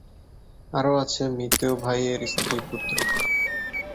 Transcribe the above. আরো আছে মৃত ভাইয়ের স্ত্রী-পুত্র।